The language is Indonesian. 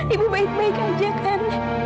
ibu baik baik aja kan